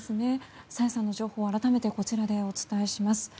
朝芽さんの情報改めてこちらでお伝えします。